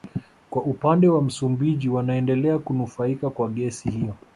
Kwa upande wa Msumbiji wanaendelea kunufaika kwa gesi hiyo